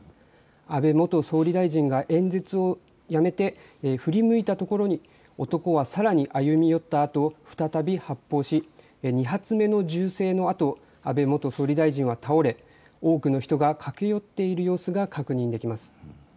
安倍元総理大臣が演説をやめて振り向いたところに男はさらに歩み寄ったあと再び発砲し２発目の銃声のあと安倍元総理大臣は倒れ多くの人が駆け寄っている様子が確認できます。